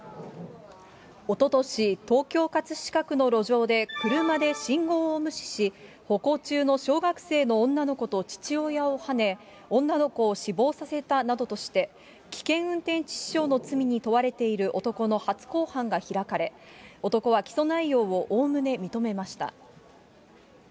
おととし、東京・葛飾区の路上で車で信号を無視し、歩行中の小学生の女の子と父親をはね、女の子を死亡させたなどとして、危険運転致死傷の罪に問われている男の初公判が開かれ、男は起訴内容をおおむね認めました。